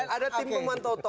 ada tim peman toko